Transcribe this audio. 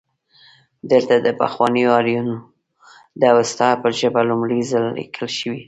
دلته د پخوانیو آرینو د اوستا ژبه لومړی ځل لیکل شوې